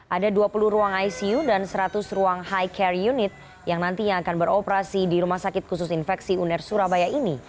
ada dua puluh ruang icu dan seratus ruang high care unit yang nantinya akan beroperasi di rumah sakit khusus infeksi uner surabaya ini